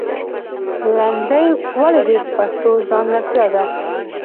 لندۍ ولې د پښتو ځانګړتیا ده؟